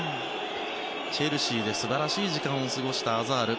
チェルシーで素晴らしい時間を過ごしたアザール。